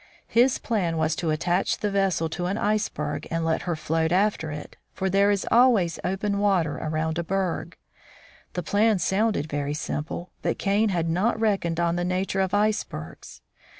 His plan was to attach the vessel to an iceberg and let her float after it, for there is always open water around a berg. The plan sounded very simple, but Kane had not reckoned on the nature of icebergs.